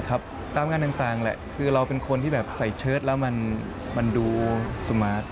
เนะครับตามงานต่างแหละคือเราเป็นคุณแบบใส่เชิร์ทแล้วมันดูสุมมารท์